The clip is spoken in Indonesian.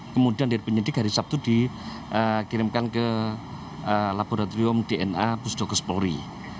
kemudian dari penyidik hari sabtu dikirimkan ke laboratorium dna pusdokus polri